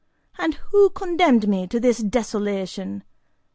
And who condemned me to this desolation'?